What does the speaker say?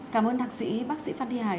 cảm ơn đặc sĩ phan thị hải